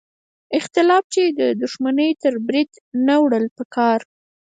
اختلاف یې د دوښمنۍ تر بریده نه وړل پکار.